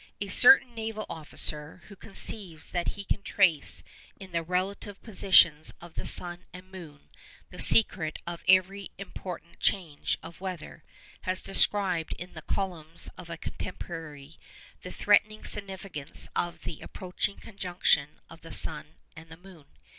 A certain naval officer, who conceives that he can trace in the relative positions of the sun and moon the secret of every important change of weather, has described in the columns of a contemporary the threatening significance of the approaching conjunction of the sun and moon.